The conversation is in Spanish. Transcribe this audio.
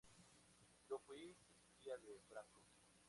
Yo fui espía de Franco".